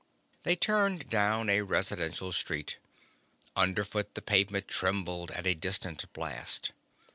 They turned down a residential street. Underfoot the pavement trembled at a distant blast.